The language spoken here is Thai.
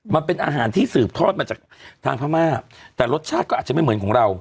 มันเป็นอาหารที่สืบทอดมาจากทางพม่าแต่รสชาติก็อาจจะไม่เหมือนของเรา